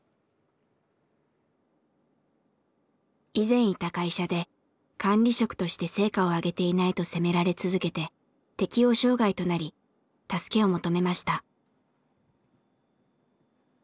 以前いた会社で管理職として成果を上げていないと責められ続けて適応障害となり助けを求めました。